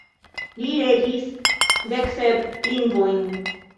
Li regis deksep lingvojn.